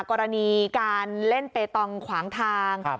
กรณีการเล่นเปตองขวางทาง